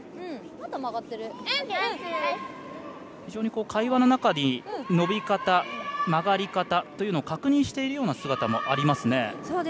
非常に会話の中に伸び方、曲がり方というのを確認しているような姿もありますね。